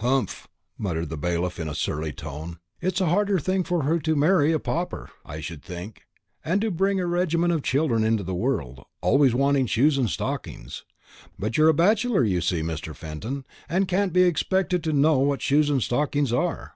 "Humph!" muttered the bailiff in a surly tone. "It's a harder thing for her to marry a pauper, I should think, and to bring a regiment of children into the world, always wanting shoes and stockings. But you're a bachelor, you see, Mr. Fenton, and can't be expected to know what shoes and stockings are.